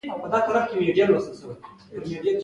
له بړچ سره سم چیني یو طالب له پایڅې ونیوه.